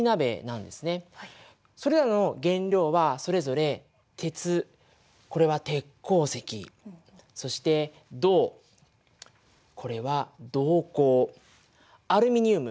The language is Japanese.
それらの原料はそれぞれ鉄これは鉄鉱石そして銅これは銅鉱アルミニウム